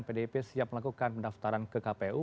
pdip siap melakukan pendaftaran ke kpu